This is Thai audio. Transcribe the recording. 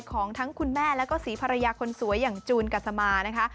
ของทั้งคุณแม่แล้วก็ศรีภรรยาคนสวยอย่างจูนกัสมานะคะ